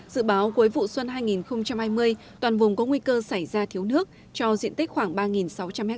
dự báo cuối vụ xuân hai nghìn hai mươi toàn vùng có nguy cơ xảy ra thiếu nước cho diện tích khoảng ba sáu trăm linh ha